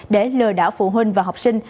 để lừa đảo phụ huynh và học sinh